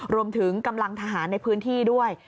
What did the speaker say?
รวมถึงกำลังทหารในพื้นที่ด้วย